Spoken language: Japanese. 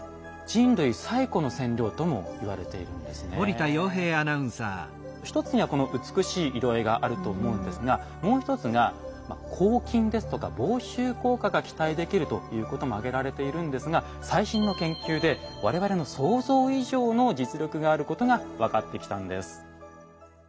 ただ一つにはこの美しい色合いがあると思うんですがもう一つが抗菌ですとか防臭効果が期待できるということも挙げられているんですが最新の研究で我々の想像以上の実力があることが分かってきたんです。